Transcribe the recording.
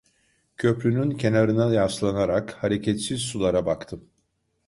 Köprünün kenarına yaslanarak hareketsiz sulara baktım.